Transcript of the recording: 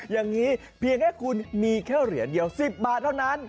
อย่างนี้เพียงแค่คุณมีแค่เหรียญเดียว๑๐บาทเท่านั้น